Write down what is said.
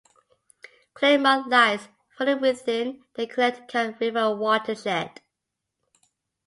Claremont lies fully within the Connecticut River watershed.